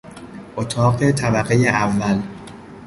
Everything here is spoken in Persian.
اتاق طبقهی اول